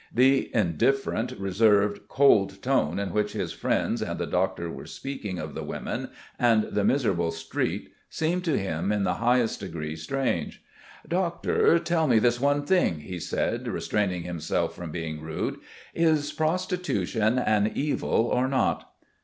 The indifferent, reserved, cold tone in which his friends and the doctor were speaking of the women and the miserable street seemed to him in the highest degree strange.... "Doctor, tell me this one thing," he said, restraining himself from being rude. "Is prostitution an evil or not?"